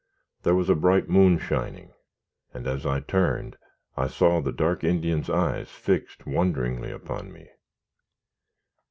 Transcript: There was a bright moon shining, and, as I turned, I saw the dark Indian's eyes fixed wonderingly upon me.